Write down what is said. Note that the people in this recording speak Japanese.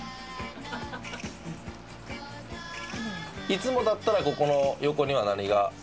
いつもだったらここの横には何がありますか？